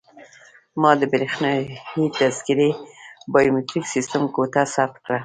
ما د بریښنایي تذکیرې بایومتریک سیستم ګوته ثبت کړه.